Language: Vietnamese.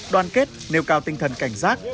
đoàn kết nêu cao tinh thần cảnh giác